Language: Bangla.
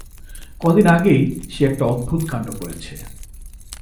ক দিন আগেই সে একটা অদ্ভুত কাণ্ড করেছে।